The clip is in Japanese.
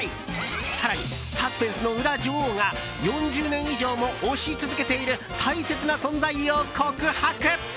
更に、サスペンスの裏女王が４０年以上も推し続けている大切な存在を告白！